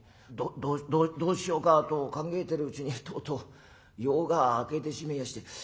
どどどどうしようかと考えてるうちにとうとう夜が明けてしめえやして。